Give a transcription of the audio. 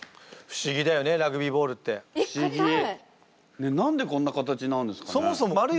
ねえ何でこんな形なんですかね？